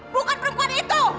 bukan perempuan itu